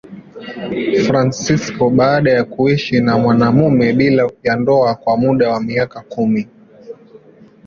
Fransisko baada ya kuishi na mwanamume bila ya ndoa kwa muda wa miaka kumi.